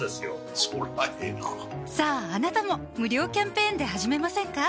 そりゃええなさぁあなたも無料キャンペーンで始めませんか？